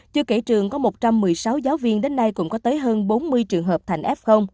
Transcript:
chưa kể trường có một trăm một mươi sáu giáo viên đến nay cũng có tới hơn bốn mươi trường hợp thành f